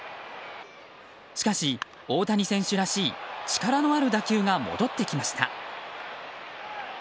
しかし大谷選手らしい力のある打球が戻ってきました。